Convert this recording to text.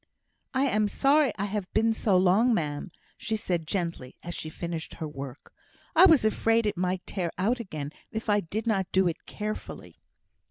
"I am sorry I have been so long, ma'am," said she, gently, as she finished her work. "I was afraid it might tear out again if I did not do it carefully."